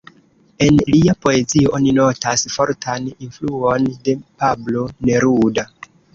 En lia poezio oni notas fortan influon de Pablo Neruda.